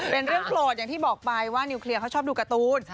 เป็นเรื่องโกรธอย่างที่บอกไปว่านิวเคลียร์เขาชอบดูการ์ตูน